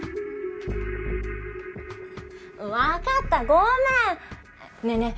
分かったごめんねぇねぇ